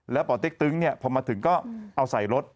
แล้วป่าวเต็กตึงเนี่ยพอมาถึงก็เอาใส่รถ